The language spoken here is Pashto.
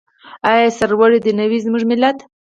آیا سرلوړی دې نه وي زموږ ملت؟